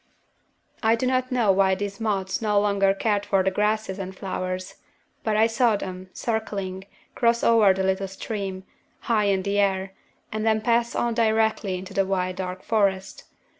"I do not know why these moths no longer cared for the grasses and flowers. But I saw them, circling, cross over the little stream, high in the air, and then pass on directly into the wide dark forest.